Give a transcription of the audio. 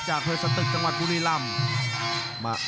จากเวลสตตึกจังหวัดกุฏิลำ